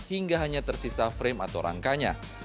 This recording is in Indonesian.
hingga hanya tersisa frame atau rangkanya